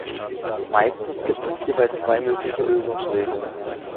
Meistens gibt es hierbei zwei mögliche Lösungswege.